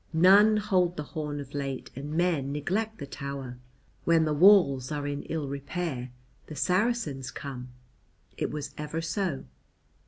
"None hold the horn of late and men neglect the tower. When the walls are in ill repair the Saracens come: it was ever so."